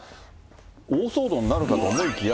大騒動になるかと思いきや。